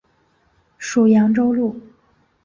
属扬州路。